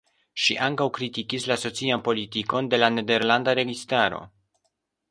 Ŝi ankaŭ kritikis la socian politikon de la nederlanda registaro.